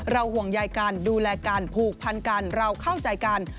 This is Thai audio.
ห่วงใยกันดูแลกันผูกพันกันเราเข้าใจกัน